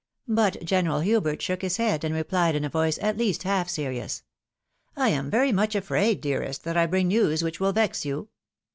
But General Hubert shook his head, and rephed in a voice at least half serious, —" I am very much afraid, dearest, that I bring news which will vex you."